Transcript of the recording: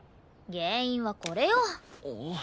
原因はこれよ。